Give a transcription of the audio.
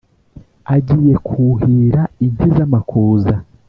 agiye kuhira inti z’amakuza